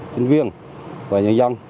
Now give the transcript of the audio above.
nhân viên và nhân dân